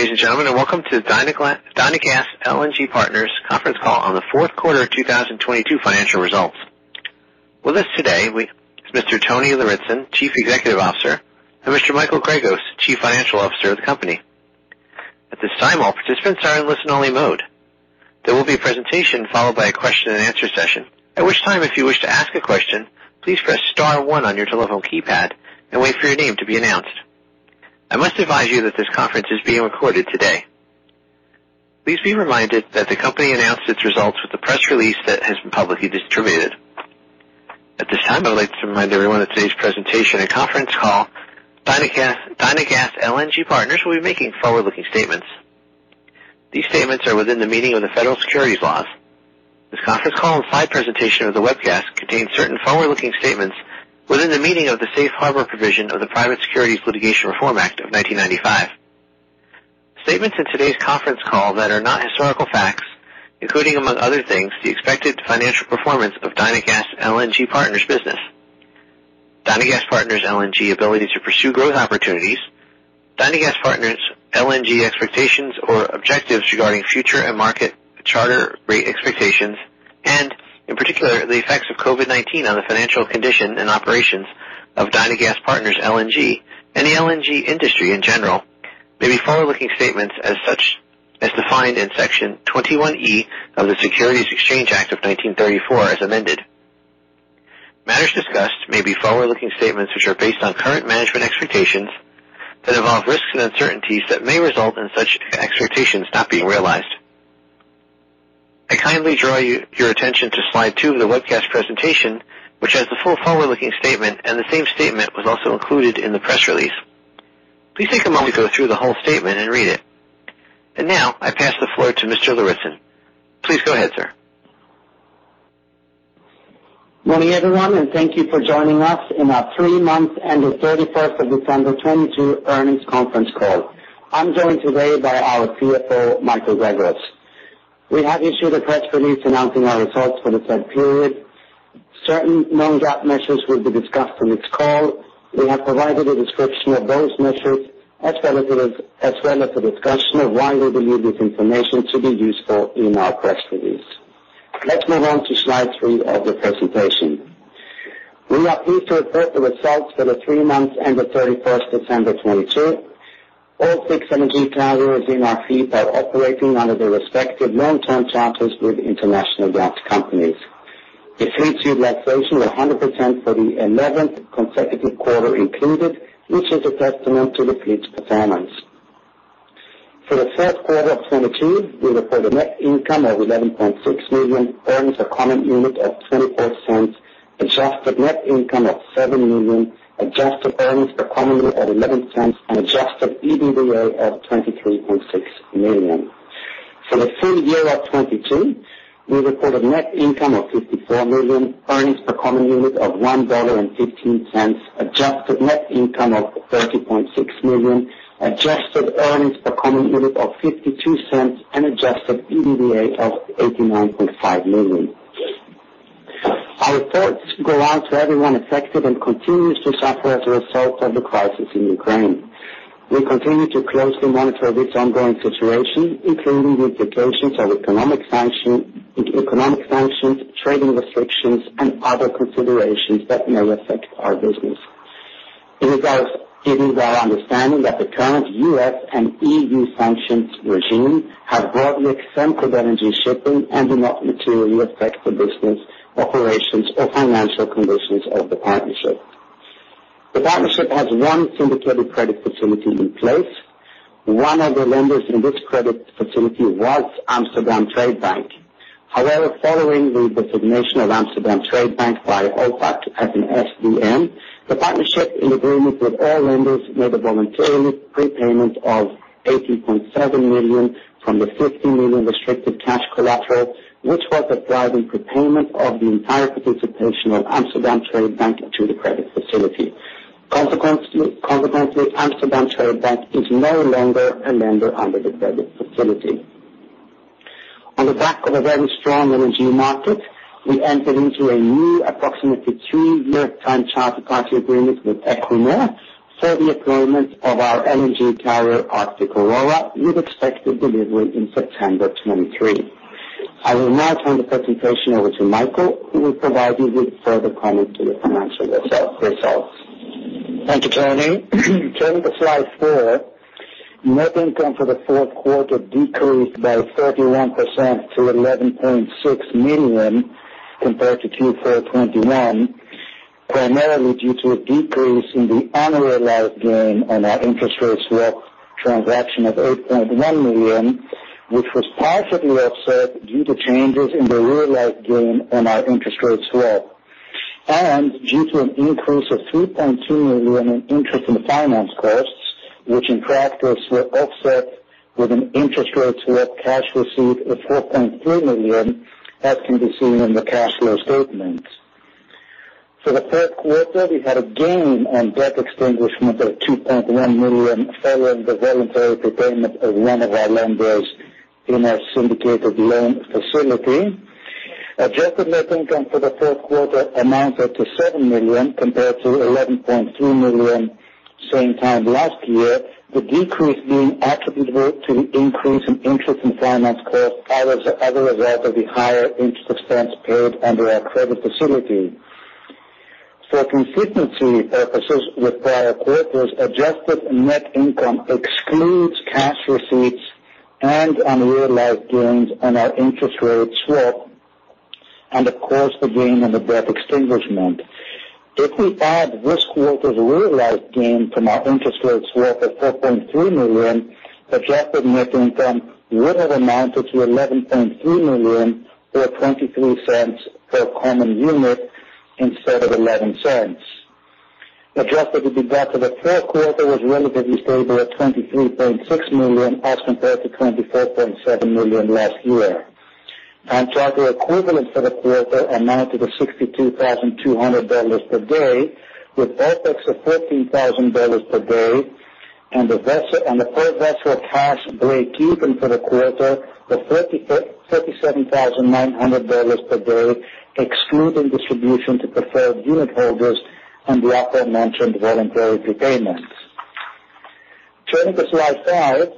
Ladies and gentlemen, welcome to Dynagas LNG Partners conference call on the fourth quarter of 2022 financial results. With us today is Mr. Tony Lauritzen, Chief Executive Officer, and Mr. Michael Gregos, Chief Financial Officer of the company. At this time, all participants are in listen only mode. There will be a presentation followed by a question-and-answer session. At which time, if you wish to ask a question, please press star one on your telephone keypad and wait for your name to be announced. I must advise you that this conference is being recorded today. Please be reminded that the company announced its results with the press release that has been publicly distributed. At this time, I'd like to remind everyone at today's presentation and conference call, Dynagas LNG Partners will be making forward-looking statements. These statements are within the meaning of the federal securities laws. This conference call and slide presentation of the webcast contain certain forward-looking statements within the meaning of the Safe Harbor provision of the Private Securities Litigation Reform Act of 1995. Statements in today's conference call that are not historical facts, including, among other things, the expected financial performance of Dynagas LNG Partners business. Dynagas LNG Partners ability to pursue growth opportunities, Dynagas LNG Partners expectations or objectives regarding future and market charter rate expectations, and in particular, the effects of COVID-19 on the financial condition and operations of Dynagas LNG Partners, and the LNG industry in general, may be forward-looking statements as such as defined in Section 21E of the Securities Exchange Act of 1934 as amended. Matters discussed may be forward-looking statements which are based on current management expectations that involve risks and uncertainties that may result in such expectations not being realized. I kindly draw your attention to slide two of the webcast presentation, which has the full forward-looking statement. The same statement was also included in the press release. Please take a moment to go through the whole statement and read it. Now I pass the floor to Mr. Lauritzen. Please go ahead, sir. Morning everyone, thank you for joining us in our three months end of 31st of December 2022 earnings conference call. I'm joined today by our CFO, Michael Gregos. We have issued a press release announcing our results for the said period. Certain non-GAAP measures will be discussed on this call. We have provided a description of those measures as well as a discussion of why we believe this information to be useful in our press release. Let's move on to slide three of the presentation. We are pleased to report the results for the three months end of 31st December 2022. All six LNG carriers in our fleet are operating under the respective long-term charters with international gas companies. The fleet utilization 100% for the 11th consecutive quarter included, which is a testament to the fleet's performance. For the first quarter of 2022, we report a net income of $11.6 million, earnings per common unit of $0.24, adjusted net income of $7 million, adjusted earnings per common unit of $0.11, and Adjusted EBITDA of $23.6 million. For the full year of 2022, we report a net income of $54 million, earnings per common unit of $1.15, adjusted net income of $30.6 million, adjusted earnings per common unit of $0.52, and Adjusted EBITDA of $89.5 million. Our thoughts go out to everyone affected and continues to suffer as a result of the crisis in Ukraine. We continue to closely monitor this ongoing situation, including the implications of economic sanctions, trading restrictions and other considerations that may affect our business. It is our understanding that the current U.S. and E.U. sanctions regime have broadly exempted energy shipping and do not materially affect the business operations or financial conditions of the partnership. The partnership has one syndicated credit facility in place. One of the lenders in this credit facility was Amsterdam Trade Bank. Following the designation of Amsterdam Trade Bank by OFAC as an SDN, the partnership, in agreement with all lenders, made a voluntary prepayment of $80.7 million from the $50 million restricted cash collateral, which was applied in prepayment of the entire participation of Amsterdam Trade Bank to the credit facility. Consequently, Amsterdam Trade Bank is no longer a lender under the credit facility. On the back of a very strong LNG market, we entered into a new approximately three-year time charter party agreement with Equinor for the employment of our LNG carrier Arctic Aurora, with expected delivery in September 2023. I will now turn the presentation over to Michael, who will provide you with further comments to the financial results. Thank you, Tony. Turning to slide four. Net income for the fourth quarter decreased by 31% to $11.6 million compared to Q4 2021, primarily due to a decrease in the unrealized gain on our interest rates swap transaction of $8.1 million, which was partially offset due to changes in the realized gain on our interest rates swap, and due to an increase of $3.2 million in interest and finance costs, which in practice were offset with an interest rates swap cash received of $4.3 million, as can be seen in the cash flow statement. For the third quarter, we had a gain on debt extinguishment of $2.1 million following the voluntary prepayment of one of our lenders in our syndicated loan facility. Adjusted net income for the fourth quarter amounted to $7 million compared to $11.3 million same time last year, the decrease being attributable to the increase in interest and finance costs as a result of the higher interest expense paid under our credit facility. For consistency purposes with prior quarters, adjusted net income excludes cash receipts and unrealized gains on our interest rate swap and of course, the gain on the debt extinguishment. If we add this quarter's realized gain from our interest rate swap of $4.3 million, adjusted net income would have amounted to $11.3 million, or $0.23 per common unit instead of $0.11. Adjusted EBITDA for the fourth quarter was relatively stable at $23.6 million as compared to $24.7 million last year. Time charter equivalent for the quarter amounted to $62,200 per day with OpEx of $14,000 per day and the per-vessel cash breakeven for the quarter was $37,900 per day, excluding distribution to preferred unit holders and the aforementioned voluntary repayments. Turning to slide five.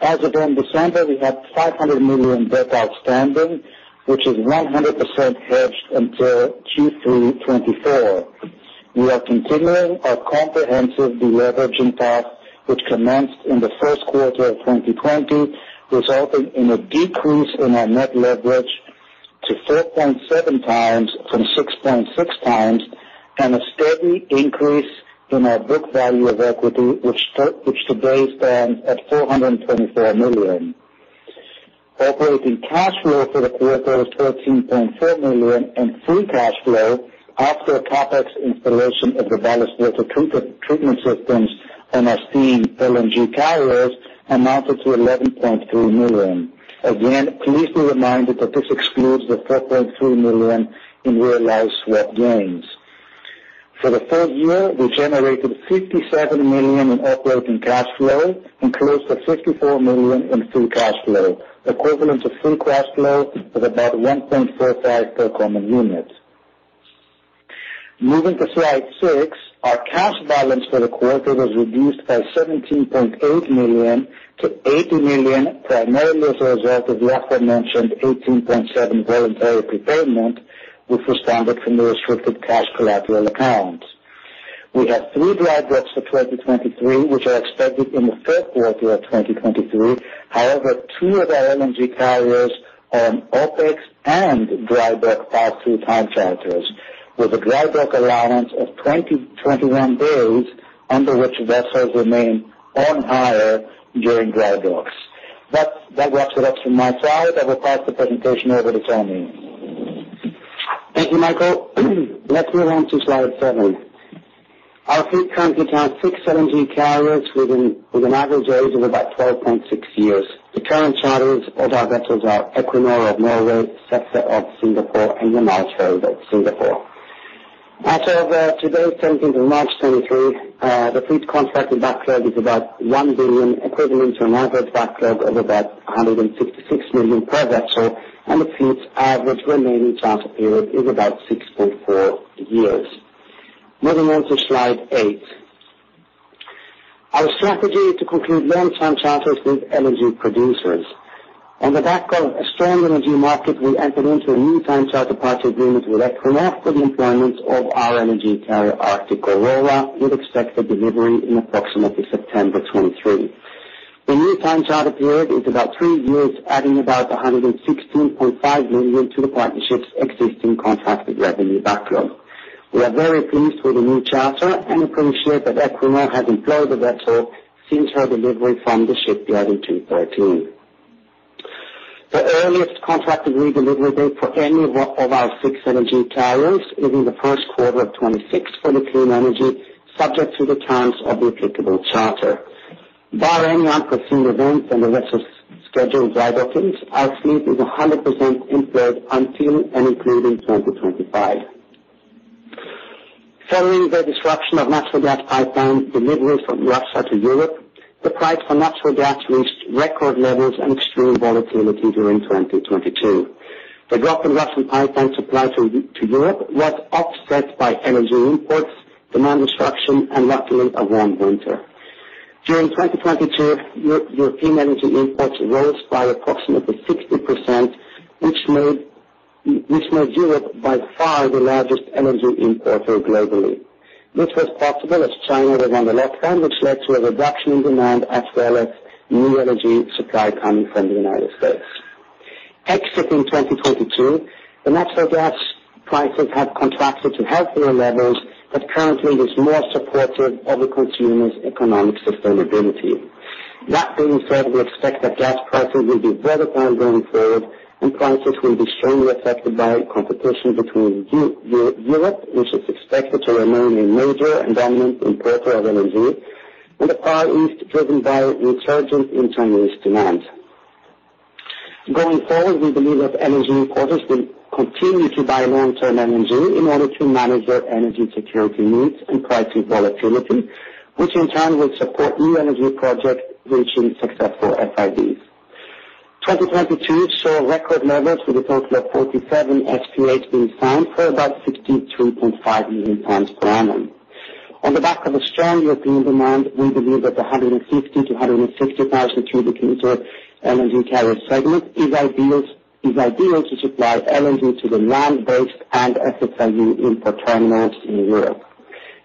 As of end December, we had $500 million debt outstanding, which is 100% hedged until Q3 2024. We are continuing our comprehensive deleveraging path, which commenced in the first quarter of 2020, resulting in a decrease in our net leverage to 4.7x from 6.6x, and a steady increase in our book value of equity, which today stands at $424 million. Operating cash flow for the quarter was $13.4 million, and free cash flow after CapEx installation of the ballast water treatment systems on our steam LNG carriers amounted to $11.3 million. Again, please be reminded that this excludes the $4.3 million in realized swap gains. For the full year, we generated $57 million in operating cash flow and close to $54 million in free cash flow, equivalent to free cash flow of about $1.45 per common unit. Moving to slide six. Our cash balance for the quarter was reduced by $17.8 million-$80 million, primarily as a result of the aforementioned $18.7 voluntary prepayment, which was funded from the restricted cash collateral accounts. We have three dry docks for 2023, which are expected in the third quarter of 2023. Two of our LNG carriers are on OpEx and dry dock pass-through time charters, with a dry dock allowance of 20-21 days under which vessels remain on hire during dry docks. That wraps it up for my side. I will pass the presentation over to Tony. Thank you, Michael. Let's move on to slide seven. Our fleet currently has six LNG carriers with an average age of about 12.6 years. The current charters of our vessels are Equinor of Norway, SEFE of Singapore and Yamal Trade of Singapore. As of today, March 17, 2023, the fleet contracted backlog is about $1 billion, equivalent to an average backlog of about $166 million per vessel, and the fleet's average remaining charter period is about 6.4 years. Moving on to slide eight. Our strategy is to conclude long-term charters with LNG producers. On the back of a strong LNG market, we entered into a new time charter party agreement with Equinor for the employment of our LNG carrier Arctic Aurora, with expected delivery in approximately September 2023. The new time charter period is about three years, adding about $116.5 million to the partnership's existing contracted revenue backlog. We are very pleased with the new charter and appreciate that Equinor has employed the vessel since her delivery from the shipyard in 2013. The earliest contracted redelivery date for any of our six LNG carriers is in the first quarter of 2026 for the Clean Energy, subject to the terms of the applicable charter. Barring any unforeseen events and the vessel's scheduled dry dockings, our fleet is 100% employed until and including 2025. Following the disruption of natural gas pipeline deliveries from Russia to Europe, the price for natural gas reached record levels and extreme volatility during 2022. The drop in Russian pipeline supply to Europe was offset by LNG imports, demand destruction and luckily, a warm winter. During 2022, European LNG imports rose by approximately 60%, which made Europe by far the largest LNG importer globally. This was possible as China was on the lockdown, which led to a reduction in demand as well as new LNG supply coming from the United States. Exiting 2022, the natural gas prices have contracted to healthier levels that currently is more supportive of the consumer's economic sustainability. That being said, we expect that gas prices will be volatile going forward and prices will be strongly affected by competition between Europe, which is expected to remain a major and dominant importer of LNG, and the Far East, driven by resurgent internal demand. Going forward, we believe that LNG importers will continue to buy long-term LNG in order to manage their energy security needs and pricing volatility. Which in turn will support new energy projects reaching successful FIDs. 2022 saw record levels with a total of 47 SPAs being signed for about 63.5 million tons per annum. On the back of a strong European demand, we believe that the 150,000-160,000 cu m LNG carrier segment is ideal to supply LNG to the land-based and FSRU import terminals in Europe.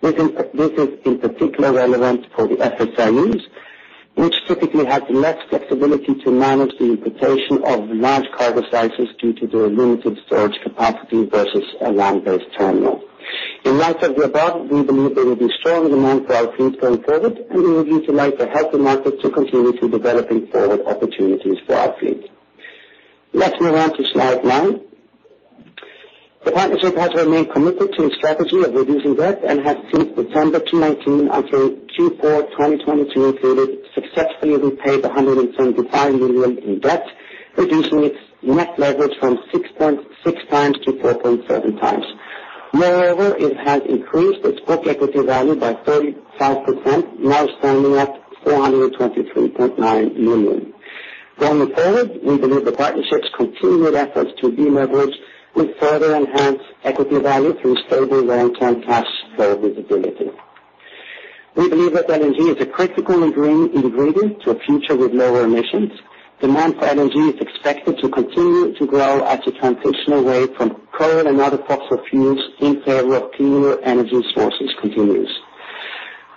This is in particular relevant for the FSRUs, which typically have less flexibility to manage the importation of large cargo sizes due to their limited storage capacity versus a land-based terminal. In light of the above, we believe there will be strong demand for our fleets going forward, and we will utilize the healthy market to continue to developing forward opportunities for our fleet. Let's move on to slide nine. The partnership has remained committed to its strategy of reducing debt and has since September 2019 until Q4 2022 included, successfully repaid $175 million in debt, reducing its net leverage from 6.6x-4.7x. Moreover, it has increased its book equity value by 35%, now standing at $423.9 million. Going forward, we believe the partnership's continued efforts to deleverage will further enhance equity value through stable long-term cash flow visibility. We believe that LNG is a critical ingredient to a future with lower emissions. Demand for LNG is expected to continue to grow as the transitional away from coal and other fossil fuels in favor of cleaner energy sources continues.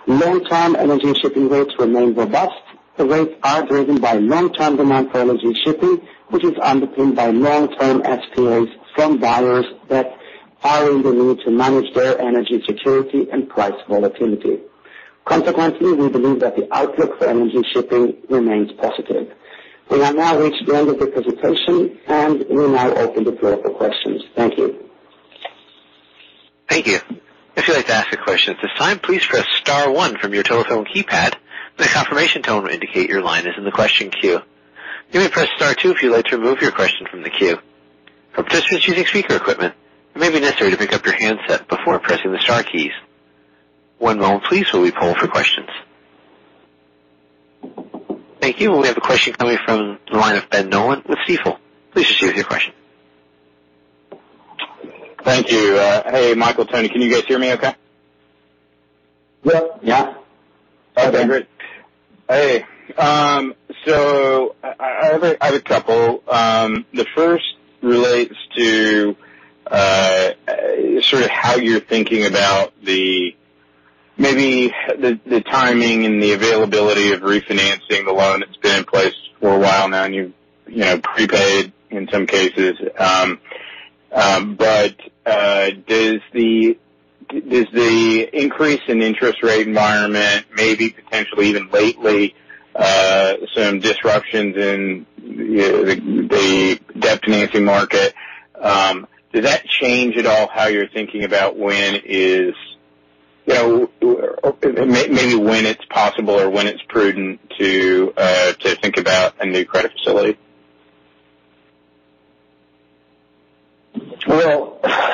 Long-term LNG shipping rates remain robust. The rates are driven by long-term demand for LNG shipping, which is underpinned by long-term SPAs from buyers that are in the need to manage their energy security and price volatility. Consequently, we believe that the outlook for LNG shipping remains positive. We have now reached the end of the presentation, and we now open the floor for questions. Thank you. Thank you. If you'd like to ask a question at this time, please press star one from your telephone keypad. The confirmation tone will indicate your line is in the question queue. You may press star two if you'd like to remove your question from the queue. For participants using speaker equipment, it may be necessary to pick up your handset before pressing the star keys. One moment please, while we poll for questions. Thank you. We have a question coming from the line of Ben Nolan with Stifel. Please share your question. Thank you. Hey, Michael, Tony, can you guys hear me okay? Yeah. Yeah. Okay, great. Hey, I have a couple. The first relates to sort of how you're thinking about the maybe the timing and the availability of refinancing the loan that's been in place for a while now, and you've, you know, prepaid in some cases. Does the increase in interest rate environment, maybe potentially even lately, some disruptions in the debt financing market, does that change at all how you're thinking about when is, you know, maybe when it's possible or when it's prudent to think about a new credit facility? Well,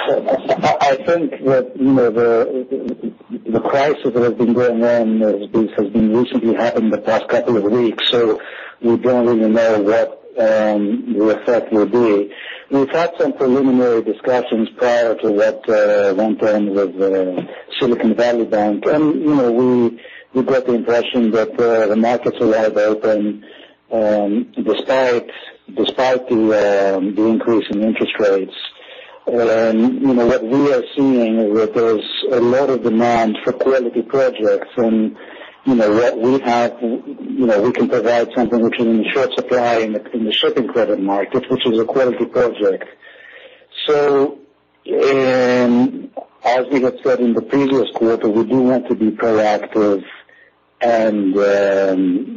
I think that, you know, the crisis that has been going on has been recently happened in the past couple of weeks, so we don't even know what the effect will be. We've had some preliminary discussions prior to that downturn with Silicon Valley Bank, and, you know, we got the impression that the markets are wide open, despite the increase in interest rates. You know, what we are seeing is that there's a lot of demand for quality projects and, you know, what we have, you know, we can provide something which is in short supply in the shipping credit market, which is a quality project. As we have said in the previous quarter, we do want to be proactive and,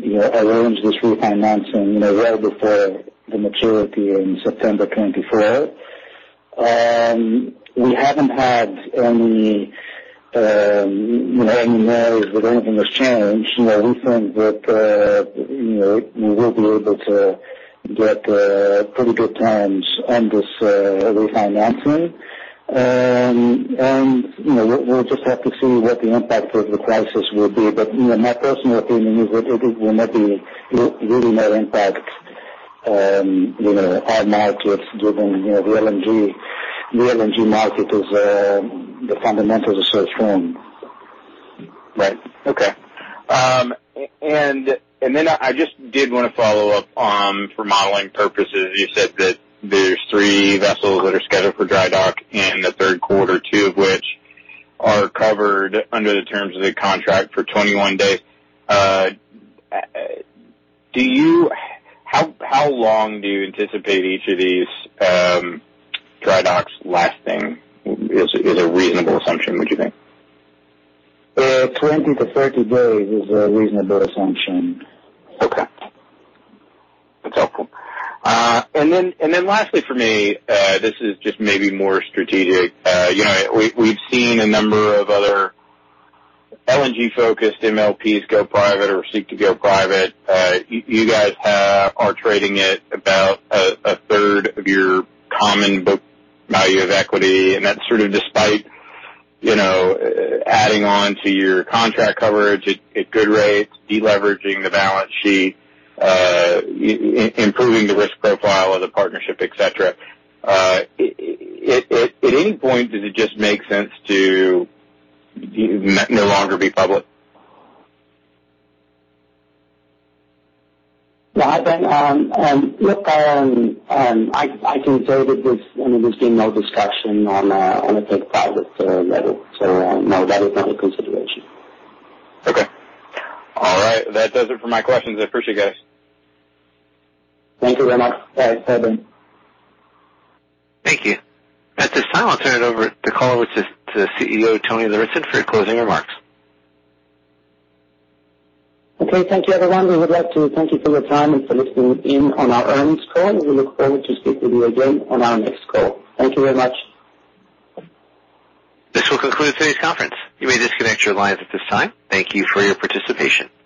you know, arrange this refinancing, you know, well before the maturity in September 2024. We haven't had any, you know, any noise that anything has changed. You know, we think that, you know, we will be able to get pretty good terms on this refinancing and, you know, we'll just have to see what the impact of the crisis will be. But, you know, my personal opinion is that it will not be really no impact, you know, our markets given, you know, the LNG. The LNG market is, the fundamentals are so strong. Right. Okay. Then I just did wanna follow up on for modeling purposes, you said that there's three vessels that are scheduled for dry dock in the third quarter, two of which are covered under the terms of the contract for 21 days. How long do you anticipate each of these dry docks lasting is a reasonable assumption, would you think? 20-30 days is a reasonable assumption. Okay. That's helpful. Lastly for me, this is just maybe more strategic. You know, we've seen a number of other LNG-focused MLPs go private or seek to go private. You guys are trading at about 1/3 of your common book value of equity, and that's sort of despite, you know, adding on to your contract coverage at good rates, deleveraging the balance sheet, improving the risk profile of the partnership, et cetera. At any point, does it just make sense to no longer be public? Well, I think, look, I can say that there's, you know, there's been no discussion on a take private level. No, that is not a consideration. Okay. All right. That does it for my questions. I appreciate you guys. Thank you very much. Bye. Bye, Ben. Thank you. At this time, I'll turn it over the call over to CEO Tony Lauritzen for your closing remarks. Thank you, everyone. We would like to thank you for your time and for listening in on our earnings call. We look forward to speak with you again on our next call. Thank you very much. This will conclude today's conference. You may disconnect your lines at this time. Thank you for your participation.